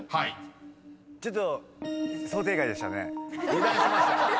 油断しました。